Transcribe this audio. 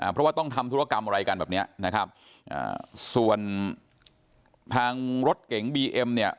เพราะว่าต้องทำธุรกรรมอะไรกันแบบเนี้ยนะครับอ่าส่วนทางรถเก๋งบีเอ็มเนี่ย